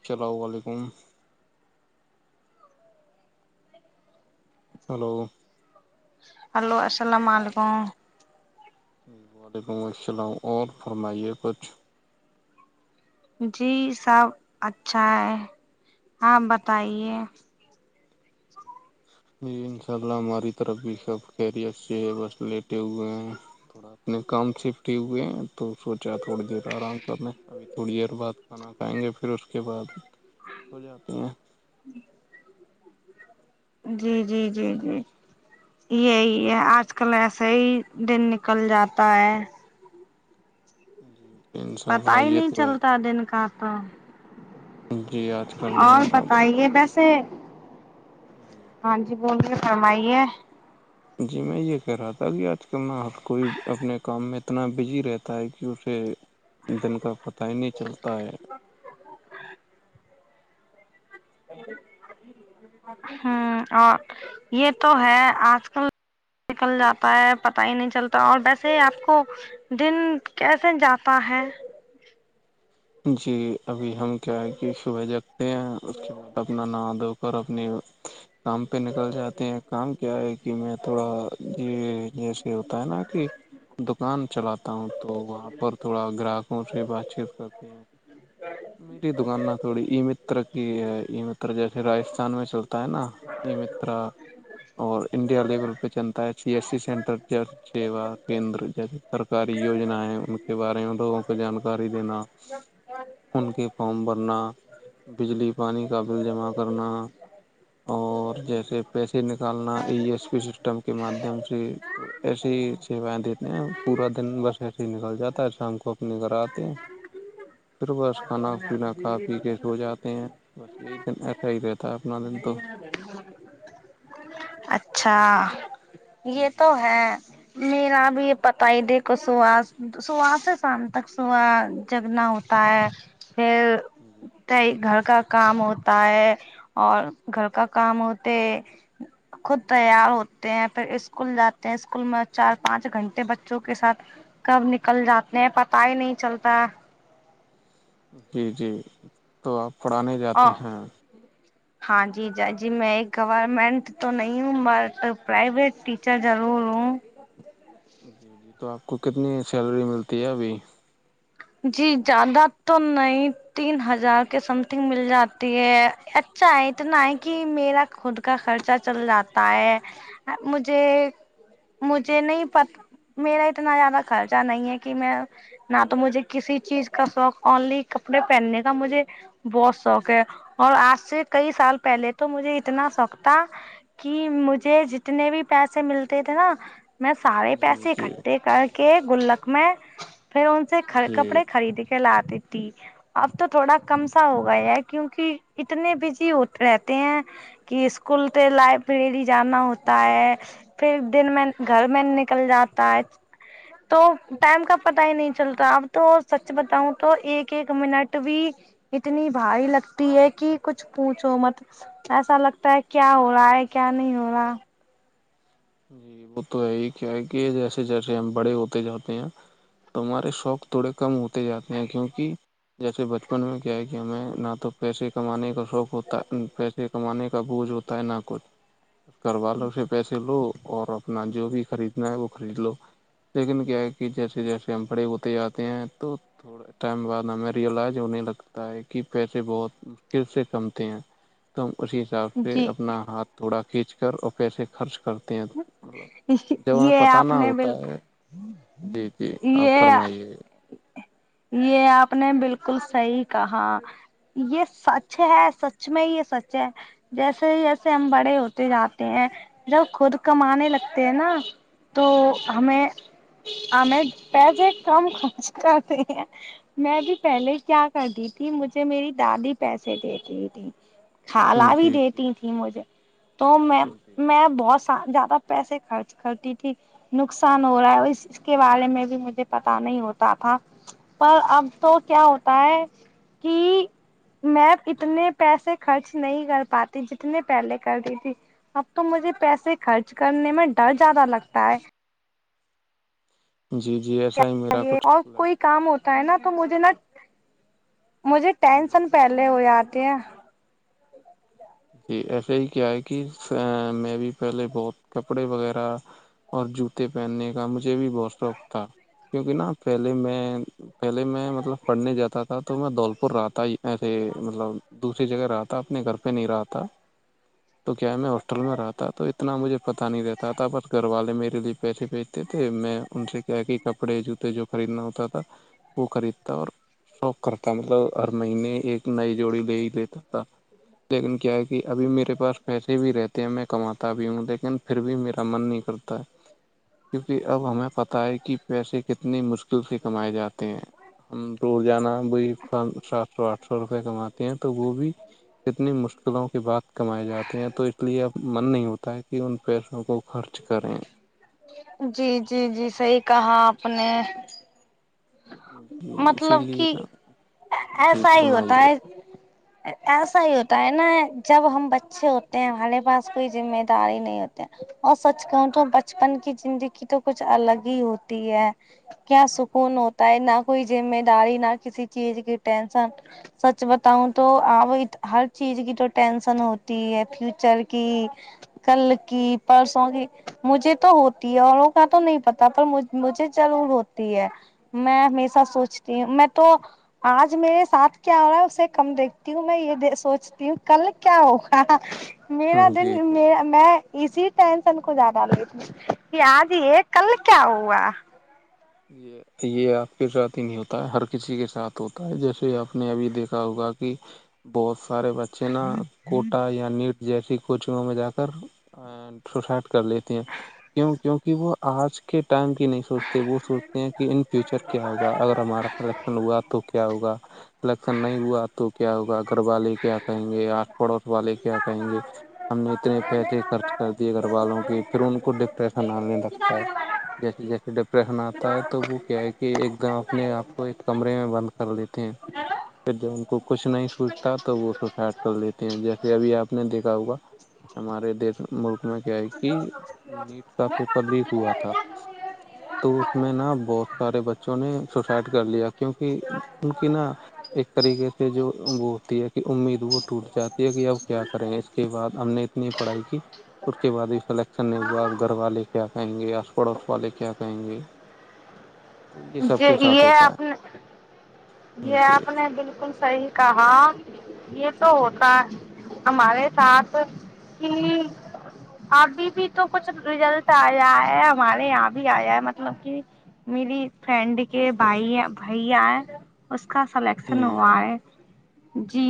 السلام علیکم hello hello السلام علیکم وعلیکم السلام اور فرمائیے بچھ جی سب اچھا ہے آپ بتائیے جی ان شاء اللہ ہماری طرف بھی سب کیری اچھی ہے بس لیٹے ہوئے ہیں تھوڑا اپنے کام سےفٹی ہوئے ہیں تو سوچا تھوڑی دیر آرام کرنا ابھی تھوڑی دیر بعد کھانا کھائیں گے پھر اس کے بعد ہو جاتے ہیں جی جی جی جی جی یہی ہے آج کل ایسے ہی دن نکل جاتا ہے جی انشاء پتا اللہ ہی یہ نہیں تو ہے چلتا دن کا تو جی آج کل اور نا اب بتائیے ویسے جی ہاں جی بولیے فرمائیے جی میں یہ کہہ رہا تھا کہ آج کل میں ہر کوئی اپنے کام میں اتنا بزی رہتا ہے کہ اسے دن کا پتہ ہی نہیں چلتا ہے ہ اور یہ تو ہے آج کل نکل جاتا ہے پتہ ہی نہیں چلتا اور ویسے ہی آپ کو دن کیسے جاتا ہے جی ابھی ہم کیا ہے کہ صبح جگتے ہیں اس کے بعد اپنا ن د اور اپنی کام پہ نکل جاتے ہیں کام کیا ہے کہ میں تھوڑا یہ جیسے ہوتا ہے نا کہ دکان چلاتا ہوں تو وہاں پر تھوڑا گراہکوں سے بات چیت کر پار میری دکان نہ تھوڑی ای متر کی ہے ای متر جیسے راجستھان میں چلتا ہے نا یہ مترا اور انڈیا لیول پہ چلتا ہے سی ایس سی سینٹر ج سیوا کیندر جس سرکاری یجنا ہے ان کے بارے میں لوگوں کو جانکاری دینا ان کے فارم بھرنا بجلی پانی کا بل جمع کرنا اور جیسے پیسے نکالنا ای ایس پی سسٹم کے مادھیم سے ایسی ہی سیوائیں دیتے ہیں پورا دن بس ایسے ہی نکل جا ہے شام کو اپنے گھر آتے ہیں پھر بس کھانا پینا کا پی کے سو جاتے ہیں بس یہی دن ایسا ہی رہتا ہے اپنا دن تو اچھا یہ تو ہے میرا اب یہ پتا ہی دیکھو صبح صبح سے شام تک صبح جگنا ہوتا پ پھر جی جی گھر کا کام ہوتا ہے اور گھر کا کام ہوتے خود تیار ہوتے ہیں پھر اسکول جاتے ہیں اسکول میں چار پانچ گھنٹے بچوں کے ساتھ کب نکل جاتے ہیں پتا ہی نہیں چلتا جی جی تو آپ پڑھانے جاتے اور ہیں ہاں جی ج جی میں ایک گورمنٹ تو نہیں ہوں بٹ پرائیویٹ ٹیچر ضرور ہوں جی جی تو آپ کو کتنی سیلری ملتی ہے ابھی جی زیادہ تو نہیں تین ہزار کے سم تھنگ مل جاتی ہے اچھا اتنا ہے کہ میرا خود کا خرچہ چل جاتا ہے مجھے مجھے نہیں پ میرا اتنا زیادہ خرچہ نہیں ہے کہ میں نہ تو مجھے کسی چیز کا شوق آنلی کپڑے پہننے کا مجھے بہت شوق ہے اور آج سے کئی سال پہلے تو مجھے اتنا شوق تھا کہ مجھے جتنے بھی پیسے ملتے تھے نا میں سارے جی پیسے جی اکٹھے کر کے گلک میں پھر ان سے کھر کر جی خرید کے لا دی ت اب تو تھوڑا کم سا ہوگا کیونکہ اتنے بزی ہو رہتے ہیں کہ اسکول کے لائ پری جانا ہوتا ہے پھر دن میں گھر میں نکل جاتا ہے تو ٹائم کا پتہ ہی نہیں چلتا ا تو سچ بتاؤں تو ایک ایک منٹ بھی اتنی بھاری لگتی ہے کہ کچھ پونچھو مت ایسا لگتا ہے کیا ہو رہا ہے کیا نہیں ہو رہا جی وہ تو ہے ہی کیا ہے کہ جیسے جیسے ہم بڑے ہوتے جاتے ہیں ت ہمہارے شوق تھوڑے کم ہوتے جاتے ہیں کیونکہ جیسے بچپن میں کیا ہے کہ ہمیں نہ تو پیسے کمانے کا شوق ہوتا پ کمانے کا بوجھ ہوتا ہے نہ کچھ [unintelligible] گھر والوں سے پیسے لو اور اپنا جو بھی خریدنا ہے وہ خرید لو لیکن کیا ہے کہ جیسے جیسے ہم بڑے ہوتے جاتے ہیں تو ٹائم بعد ہمیں ریئلائز ہونے لگتا ہے کہ پیسے بہت مشکل سے کمتے ہیں تو ہم اسی حساب سے جی اپنا ہاتھ تھوڑا کھینچ کر اور پیسے خرچ کرتے ہیں مطلب جب یہ ہمیں پتہ آپ نہ نے بال ہوتا ہے جی جی آپ یہ فرمائیے یہ آپ نے بالکل صحیح کہا یہ سچ ہے سچ میں یہ سچ ہے جیسے ہی جیسے ہم جی بڑے ہوتے جاتے ہیں جب خود کمانے لگتے ہیں نا تو جی ہمیں ہمیں پیسے کم خرچ کرتے ہیں میں بھی پہلے کیا کرتی تھی مجھے میری دادی پیسے دیتی تھی کالا بھی جی جی دیتی تھیں مجھے تو میں جی میں بہت س زیادہ پیسے خرچ کرتی تھی نقصان ہو رہا ہے اور اس اس کے بارے میں بھی مجھے پتا نہیں ہوتا تھا پر اب تو کیا ہوتا ہے کہ میں اتنے پیسے خرچ نہیں کر پاتی جتنے پہلے کرتی تھی اب تو مجھے پیسے خرچ کرنے میں ڈر زیادہ لگتا ہے جی جی ا اور کوئی کام ہوتا ہے نا تو مجھے نا مجھے جی ٹینشن پ ے ہو آتے ہیں جی ایسا ہی کیا ہے کہ میں بھی پہلے بہت کپڑے وغیرہ اور جوتے پہننے کا مجھے بھی بہت شوق تھا کیونکہ نا پہلے میں پہلے میں مطلب پڑھنے جاتا تھا تو میں دھولپور رہاتا ایسے مطلب دوسری جگہ رہاتا اپنے گھر پہ پہ نہیں رہ تھا تو کیا میں ہاسٹل میں رہا تھا تو اتنا مجھے پتہ نہیں رہتا تھا بس گھر والے میرے لیے پیسے پی تھے میں ان سے کیا کہ کپڑے جوتے جو خریدنا ہوتا تھا وہ خریدتا اور شوق کرتا مطلب ہر مہینے ایک نئی جوڑی لے ہی لیتا تھا لیکن کیا ہے کہ ابھی میرے پاس پیسے بھی رہتے ہیں میں کماتا بھی ہوں لیکن پھر بھی میرا من نہیں کرتا تو کیونکہ اب ہمیں پتہ ہے کہ پیسے کتنے مشکل سے کمائے جاتے ہیں ہم توور جانا ب سات سو آٹھ سو روپے کماتے ہیں تو وہ بھی کتنی مشکلوں کی بات کمائی جاتی ہیں تو اس لیے اب من نہیں ہوتا ہے کہ ان پیسوں کو خرچ کریں جی جی جی صحی کہا آپ نے جی اسی مطلب لیے کہ نا جی ایسا ہی ہوتا ہے فرمائیے ایسا ہی ہوتا ہے نا جب ہم بچے ہوتے ہیں ہمارے پاس کوئی ذمہ داری نہیں ہوتے اور سچ کہوں تو بچپن کی زندگی تو کچھ الگ ہی ہوتی ہے کیا سکون ہوتا ہے نہ کوئی ذمہ داری نہ کسی چیز کی ٹینشن سچ بتاؤں تو اب ہر چیز کی تو ٹینشن ہوتی ہے فیوچر کی کل کی پرسوں کی مجھے تو ہوتی ہے اوروں کا تو نہیں پتا پر مجھے ضرور ہوتی ہے میں ہمیشہ سوچتی ہوں میں تو آج میرے ساتھ کیا ہو رہا ہے اسے کم دیکھتی ہوں میں یہ سوچتی ہوں کل کیا ہوگا میرا دن جی میرا میں اسی ٹینشن کو زیادہ لتی ہوں کہ آج یہ کل کیا ہوا [inaudible] یہ آپ کے ساتھ ہی نہیں ہوتا ہے ہر کسی کے ساتھ ہوتا ہے جیسے آپ نے ابھی دیکھا ہوگا کہ بہت سارے بچے نا کوٹا یا نیٹ جیسی کوچنگوں میں جا کر سوسائڈ کر لیتے ہیں کیو کیوکی وہ آج کے ٹائم کی نہیں سوچتے وہ سوچتے کہ ان فیوچر کیا ہوگا اگر ہمارا سیلکشن ہوا تو کیا ہوا سیلکشن نہیں ہوا تو کیا ہوگا گھر والے کیا کہیں گے آس پڑوس والے کیا کہیں گے ہم نے اتنے پیسے خرچ کر دیے گھر والوں کے پھر ان کو ڈپریشن آنے لگتا ہے جیسے جیسے ڈپریشن آتا ہے تو وہ کیا ہے کہ ایک دم اپنے آپ کو ایک کمرے میں بند کر لیتے ہیں پھر جب ان کو کچھ نہیں سوچتا تو وہ سوسائڈ کر لیتے ہیں جیسے ابھی آپ نے دیکھا ہوگا ہمارے دیش ملک میں کیا ہے کہ نیٹ کا پیپر لیک ہوا تھا تو میں نا بہت سارے بچوں نے سوسائڈ کر لیا کیونکہ ان کی نا ایک طریقے سے جو وہ ہوتی ہے کہ امید وہ ٹوٹ جاتی ہے کہ اب کیا کریں اس کے بعد ہم نے اتنی پڑھائی کی اس کے بعد بھی سلیکشن نہیں ہوا آپ گھر والے کیا کہیں گے آس پڑوس والے کیا کہیں گے تو سب کے ساتھ یہ ہوتا آپ نے ہے یہ جی آپ نے بالکل صحیح کہا یہ تو ہوتا ہمارے ساتھ ہی ابھی بھی تو کچھ رزلٹ آیا ہے ہمارے یہاں بھی آیا ہے مطلب کہ میری فرینڈ کے بھائی بھی آئے اس کا سلیکشن جی ہوا ہے جی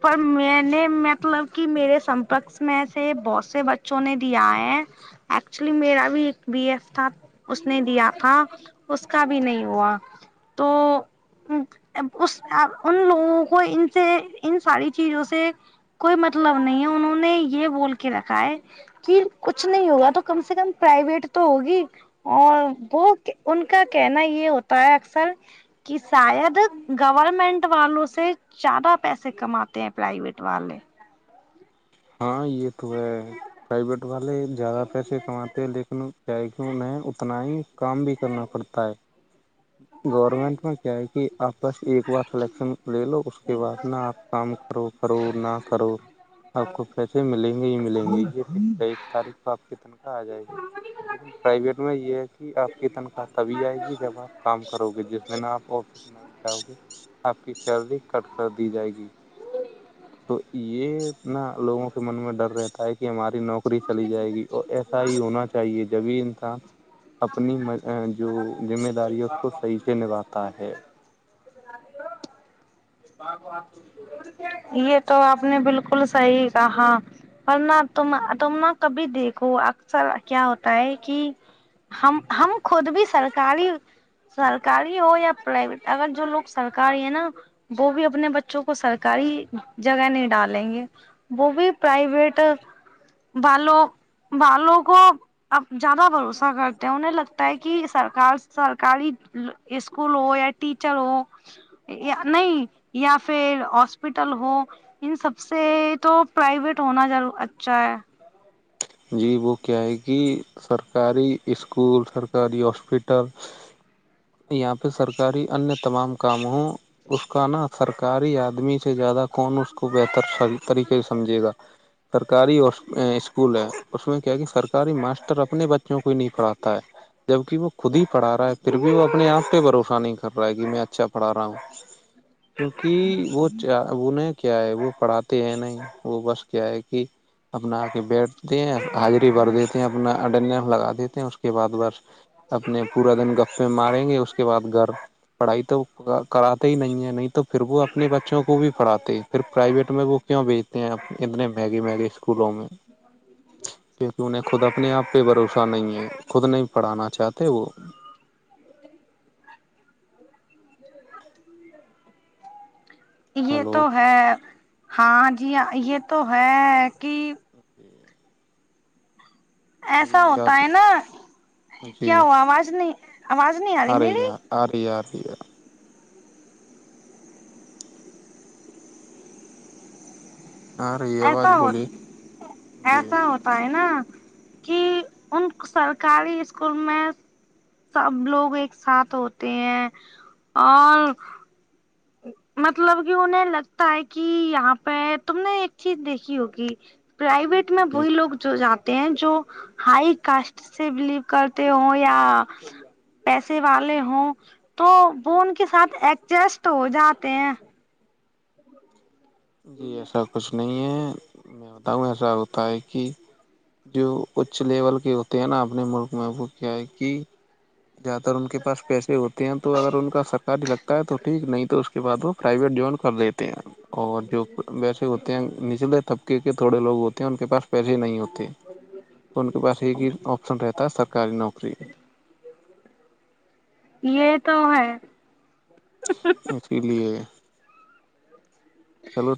پر میں نے مطلب کہ میرے سمپرک میں سے بہت سے بچوں نے دیا ہے ایکچولی میرا بھی ایک بی ایف تھا اس نے دیا تھا اس کا بھی نہیں ہوا تو ان لوگوں کو ان سے ان ساری چیزوں سے کوئی مطلب نہیں ہے انہوں نے یہ بول کے رکھا ہے کی کچھ نہیں ہوگا تو کم سے کم پرائیویٹ تو ہوگی اور وہ ان کا کہنا یہ ہوتا ہے اکثر یہ شاید گورورمنٹ والوں سے زیادہ پیسے کماتے ہیں پرائیویٹ والے ہاں یہ تو ہے پرائیویٹ والے زیادہ پیسے کماتے ہیں لیکن کیا کیوں انہیں اتنا ہی کام بھی کرنا پڑتا ہے گورنمنٹ میں کیا ہے کہ آپ بس ایک بار سلیکشن لے لو اس کے بعد نا آپ کام کرو کرو نہ کرو آپ کو پیسے ملیں گے ہی ملیں گے یہ ایک تاریخ کو آپ کی تنخواہ آ جائے گی لیکن پرائیویٹ میں یہ ہے کہ آپ کی تنخواہ تبھی آئے گی جب آپ کام کرو گے جس میں آپ آفس گ آپ کی چردی کٹ کر دی جائے گی تو یہنا لوگوں کے من میں ڈر رہتا ہے کہ ہماری نوک نوکری چلی جائے گی اور ایسا ہی ہونا چاہیے جبھی انسان اپنی جو ذمہ داری ہے اس کو صحیح سے نبھاتا ہے ب کو آ یہ تو آپ نے بالکل صحیح کہا ورنہ تم تم نہ کبھی دیکھو اکثر کیا ہوتا ہے کہ ہم ہم خود بھی سرکاری سرکاری ہو یا پرائیویٹ اگر جو لوگ سرکاری ہے نا وہ بھی اپنے بچوں کو سرکاری جگہ نہیں ڈالیں گے وہ بھی پرائیوٹ بالو بالو کو اب زیادہ بھروسہ کرتے ہیں انہیں لگتا ہے کہ سرکار سرکاری یہ اسکول ہو یا ٹیچر ہو نہیں یا پھر ہاسپٹل ہو ان سب سے تو پرائیویٹ ہونا اچھا ہے جی وہ کیا ہے کہ سرکاری اسکول سرکاری ہاسپیٹل یہاں پہ سرکاری انیہ تمام کام ہوں اس کا نا سرکاری آدمی سے زیادہ کون اس کو بہتر طریقے سے سمجھے گا سرکاری اور اسکول اسکول ہے اس میں کیا کہ سرکاری ماسٹر اپنے بچوں کو ہی نہیں پڑھاتا ہے جبک وہ خود ہی پڑھا رہا ہے پھر بھی وہ اپنے آپ پہ بوشانی نہیں کر کر رہا ہے کہ میں اچھا پڑھا رہا ہوں کیونکہ وہ وہ نہیں کیا ہے وہ پڑھاتے ہیں نہیں وہ بس کیا ہے کہ اپنا آ کے بیٹ د ہیں حاضری بھر دیتے ہیں اپنا اڈنڈنس لگا دیتے ہیں اس کے بعد بس اپنے پورا دن گپے ماریں گے اس کے بعد گھر پڑھائی تو کراتے ہی نہیں ہے نہیں تو پھر وہ اپنے بچوں کو بھی پڑھاتے پھر پرائیویٹ میں وہ کیوں بیچتے ہیںپ اتنے میگی میگی اسکولوں میں کیونکہ انہیں خود اپنے آپ پہ بھروسہ نہیں ہے خود نہیں پڑھانا چاہتے وہ یہ تو ہیلو ہے ہاں جی یہ تو ہے کہ ایسا ابھی ہوتا آپ ہے نا جی کیا ہوا آواز نہیں آواز نہیں آ رہی میری ا رہ ا رہیا آ رہی ہے آواز ایسا ہوت بولی جی ایسا ہوتا پائے نا کہ ان سرکاری اسکول میں سب لوگ ایک ساتھ ہوتے ہیں اور مطلب کہ انہیں لگتا ہے کہ یہاں پہ تم نے ایک چیز دیکھی ہوگی پرائویٹ میں جی وہی لوگ جو جاتے ہیں جو ہائی کاسٹ سے بلیو کرتے ہ یا پیسے والے ہوں تو وہ ان کے ساتھ ایڈجسٹ ہو جاتے ہیں جی ایسا کچھ نہیں ہے میں بتاؤں ایسا ہوتا ہے کہ جو اچ لیول کے ہوتے ہیں نا اپنے ملک میں وہ کیا ہے کہ زیاد تر ان کے پاس پیسے ہوتے ہیں تو اگر ان کا سرکاری لگتا ہے تو ٹھیک نہیں تو اس کے بعد وہ پرائیویٹ جوان کر دیتے ہیں اور جو ویسے ہوتے ہیں نچلے طبقے کے تھوڑے لوگ ہوتے ہیں ان کے پاس پہلے نہیں ہوتے تو ان کے پاس ایک ہی آپشن رہتا سرکاری نوکری یہ تو ہے اسی لیے چلو [inaudible]